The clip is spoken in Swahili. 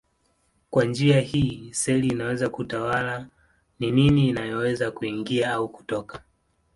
Kwa njia hii seli inaweza kutawala ni nini inayoweza kuingia au kutoka.